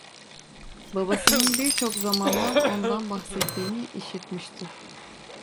Babasının birçok zamanlar ondan bahsettiğini işitmişti.